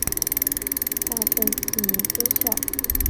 大正四年分校。